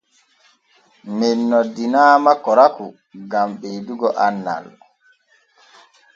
Men noddinaama korakou gan ɓeedugo annal.